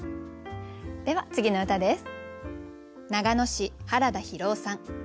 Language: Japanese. では次の歌です。